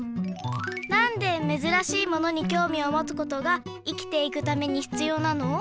なんでめずらしいものにきょうみをもつことが生きていくためにひつようなの？